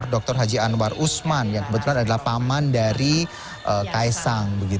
dr haji anwar usman yang kebetulan adalah paman dari kaisang